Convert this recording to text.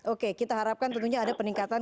oke kita harapkan tentunya ada peningkatan